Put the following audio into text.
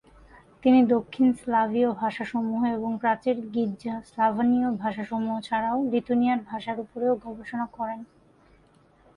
তিনি দক্ষিণ স্লাভীয় ভাষাসমূহ এবং প্রাচীন গির্জা স্লাভোনীয় ভাষাসমূহ ছাড়াও লিথুয়ানীয় ভাষার উপরেও গবেষণা করেন।